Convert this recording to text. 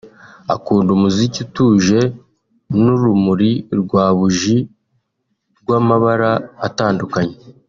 akunda umuziki utuje n’urumuri rwa buji rw’amabara atandukanye